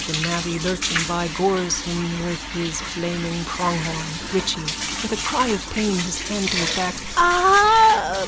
The navvy, lurching by, gores him with his flaming pronghorn.)_ RICHIE: (With a cry of pain, his hand to his back.) Ah!